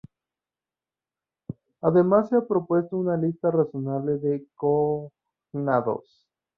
Además se ha propuesto una lista razonable de cognados.